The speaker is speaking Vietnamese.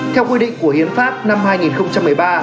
theo quy định của hiến pháp năm hai nghìn một mươi ba